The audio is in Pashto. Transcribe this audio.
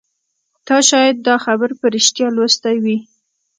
تا شاید دا خبر په ریښتیا لوستی وي